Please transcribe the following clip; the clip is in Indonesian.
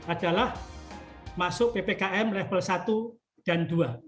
adalah masuk ppkm level satu dan dua